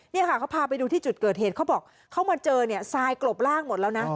นี่ค่ะเขาพาไปดูที่จุดเกิดเหตุเขาบอกเขามาเจอเนี่ยทรายกลบร่างหมดแล้วนะ